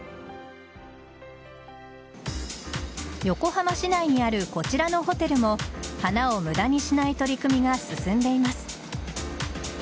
横浜市内にあるこちらのホテルも花を無駄にしない取り組みが進んでいます。